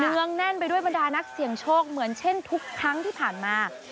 เนื้องแน่นไปด้วยบรรดานักเสี่ยงโชคเหมือนเช่นทุกครั้งที่ผ่านมา